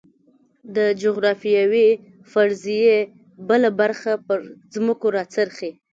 د جغرافیوي فرضیې بله برخه پر ځمکو راڅرخي.